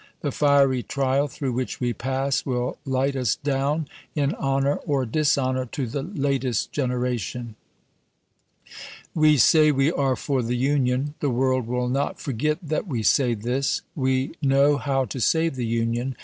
The fiery trial through which we pass will light us down, in honor or dishonor, to the latest generation. We say we are for the Union. The world will not forget that we say this. We know how to save the Union.